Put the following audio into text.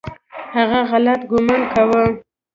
هغه غلط ګومان کاوه .